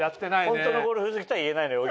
ホントのゴルフ好きとはいえないのよ